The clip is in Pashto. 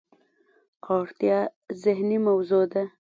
اړتیا ذهني موضوع ده.